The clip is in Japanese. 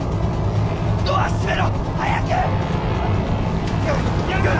ドア閉めろ早く！